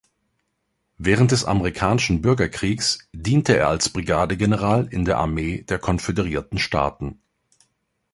Während des amerikanischen Bürgerkriegs diente er als Brigadegeneral in der Armee der Konföderierten Staaten.